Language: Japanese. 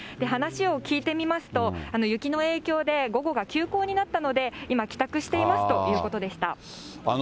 話を聞いてみますと、雪の影響で午後が休講になったので、今、帰宅していますということでした。